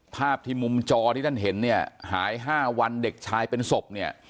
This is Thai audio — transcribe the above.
ภาพที่มุมจอที่ท่านเห็นหาย๕วันเด็กชายเป็นศพ